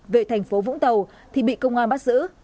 về thành phố vũng tàu thì bị công an bác sử